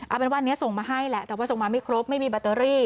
เอาเป็นว่าอันนี้ส่งมาให้แหละแต่ว่าส่งมาไม่ครบไม่มีแบตเตอรี่